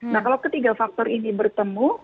nah kalau ketiga faktor ini bertemu